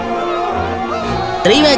kaspia menanggung mereka